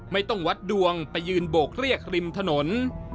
ไม่ต้องวัดดวงไปยืนโบกเรียกริมถนน